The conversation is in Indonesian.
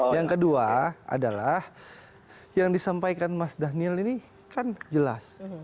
yang kedua adalah yang disampaikan mas daniel ini kan jelas